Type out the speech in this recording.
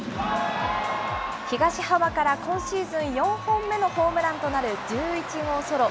東浜から今シーズン４本目のホームランとなる１１号ソロ。